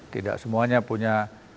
tidak semuanya punya